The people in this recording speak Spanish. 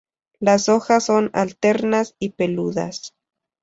Las hojas son alternas y peludas.